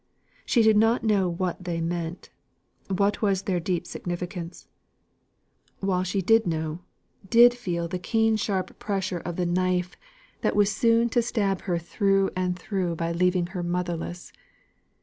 She did not know what they meant what was their deep significance; while she did know, did feel the keen sharp pressure of the knife that was soon to stab her through and through by leaving her motherless.